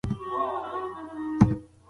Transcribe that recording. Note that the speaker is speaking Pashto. آیا ټولنپوهنه ستونزمن مضمون دی؟